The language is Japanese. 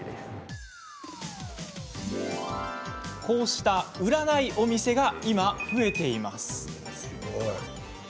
こうした「売らないお店」が今、増えています。